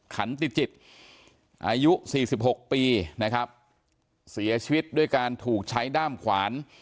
ขันติจิตอายุสี่สิบหกปีนะครับเสียชีวิตด้วยการถูกใช้ด้ามขวาน